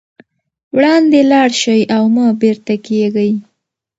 وړاندې لاړ شئ او مه بېرته کېږئ.